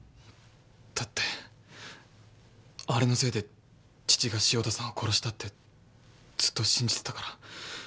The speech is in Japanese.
だってあれのせいで父が汐田さんを殺したってずっと信じてたから。